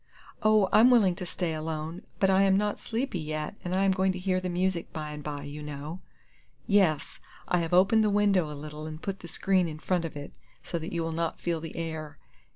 "Oh, I'm willing to stay alone; but I am not sleepy yet, and I am going to hear the music by and by, you know." "Yes, I have opened the window a little, and put the screen in front of it, so that you will not feel the air."